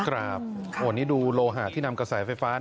ครับวันนี้ดูโลหะที่นำกระแสไฟฟ้า